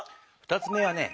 ２つ目はね